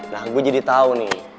nah gue jadi tau nih